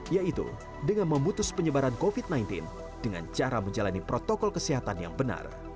yaitu dengan memutus penyebaran covid sembilan belas dengan cara menjalani protokol kesehatan yang benar